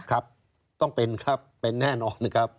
ครับต้องเป็นครับเป็นแน่นอนนะครับ